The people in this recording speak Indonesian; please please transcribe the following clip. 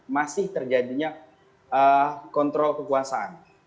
masih terjadinya kontrol kekuasaan